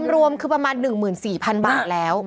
รวมคือประมาณ๑๔๐๐๐บาทแล้ว